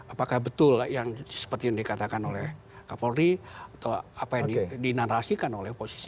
apakah betul yang seperti yang dikatakan oleh kapolri atau apa yang dinarasikan oleh oposisi